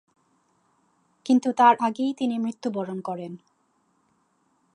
কিন্তু তার আগেই তিনি মৃত্যুবরণ করেন।